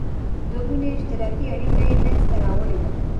دوه ګوني اشتراکي اړیکه یې مینځته راوړې ده.